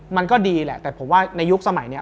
มันก็ดีแหละแต่ผมว่าในยุคสมัยนี้